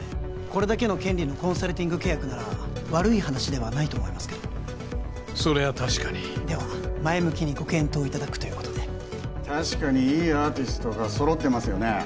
これだけの権利のコンサルティング契約なら悪い話ではないと思いますけどそれは確かにでは前向きにご検討いただくということで確かにいいアーティストが揃ってますよね